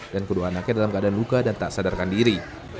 dan kedua anaknya dalam keadaan luka dan tak sadarkan diri